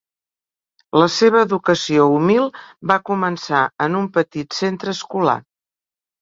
La seva educació humil va començar en un petit centre escolar.